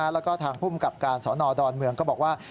แล้วก็ทางภูมิกับการสอนอดอนเมืองก็บอกว่า